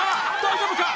大丈夫か？